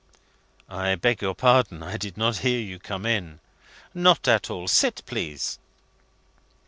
"I beg your pardon. I didn't hear you come in." "Not at all! Sit, please."